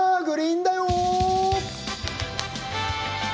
グリーンだよ」。